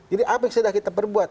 jadi apa yang sudah kita perbuat